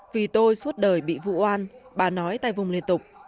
vì tôi suốt đời bị vụ oan bà nói tai vùng liên tục